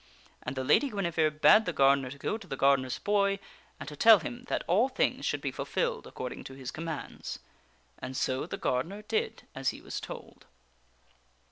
And the Lady Guinevere bade the gardener to go to the gardener's boy and to tell him that all things should be fulfilled according to his commands. And so the gardener did as he was told.